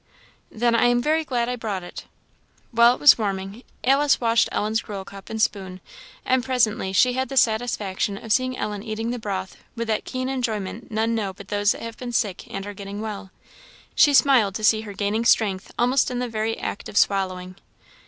"Then I am very glad I brought it." While it was warming, Alice washed Ellen's gruel cup and spoon; and presently she had the satisfaction of seeing Ellen eating the broth with that keen enjoyment none know but those that have been sick and are getting well. She smiled to see her gaining strength almost in the very act of swallowing.